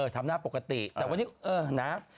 ทำหน้าปกติแต่วันนี้นัก